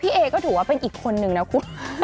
เอก็ถือว่าเป็นอีกคนนึงนะคุณ